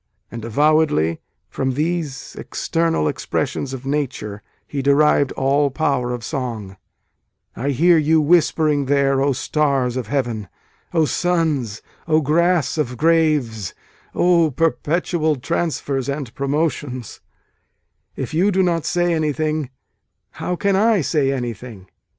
And, avowedly, from these external expressions of nature he derived all power of song I hear you whispering there, O stars of heaven O suns O grass of graves O perpetual transfers and promotions, If you do not say anything, how can I say anything